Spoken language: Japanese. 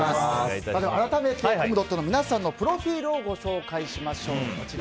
改めてコムドットの皆さんのプロフィールをご紹介しましょう。